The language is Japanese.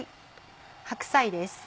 白菜です。